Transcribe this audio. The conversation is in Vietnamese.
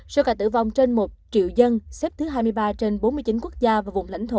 so với cả tử vong trên một triệu dân xếp thứ hai mươi ba trên bốn mươi chín quốc gia và vùng lãnh thổ